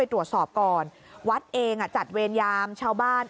ทันต์จ